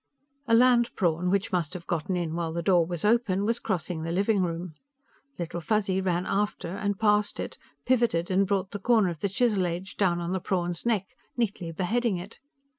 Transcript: A land prawn, which must have gotten in while the door was open, was crossing the living room. Little Fuzzy ran after and past it, pivoted and brought the corner of the chisel edge down on the prawn's neck, neatly beheading it.